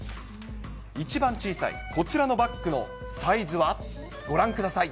一番小さいこちらのバッグのサイズは、ご覧ください。